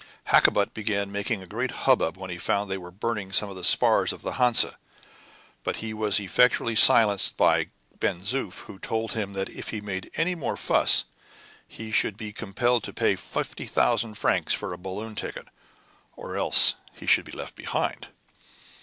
Hakkabut began making a great hubbub when he found that they were burning some of the spars of the Hansa; but he was effectually silenced by Ben Zoof, who told him that if he made any more fuss, he should be compelled to pay 50,000 francs for a balloon ticket, or else he should be left behind.